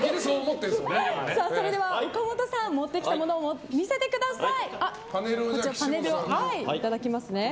それでは岡本さん持ってきたものを見せてください。